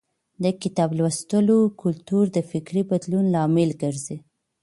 د کتاب لوستلو کلتور د فکري بدلون لامل ګرځي.